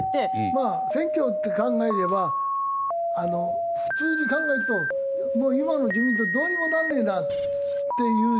まあ選挙って考えれば普通に考えると今の自民党どうにもなんねえなって言うじゃん。